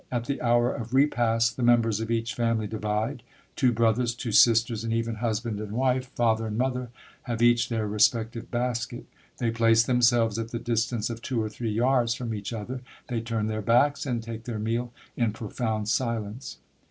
At the hour of repast, the members of each family divide; two brothers, two sisters, and even husband and wife, father and mother, have each their respective basket. They place themselves at the distance of two or three yards from each other; they turn their backs, and take their meal in profound silence.